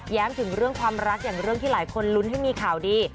ถึงเรื่องความรักอย่างเรื่องที่หลายคนลุ้นให้มีข่าวดี